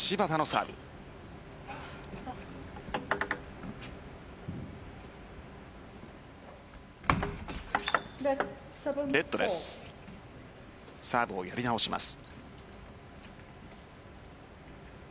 サーブをやり直します。